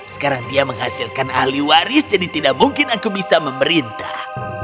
sekarang dia menghasilkan ahli waris jadi tidak mungkin aku bisa memerintah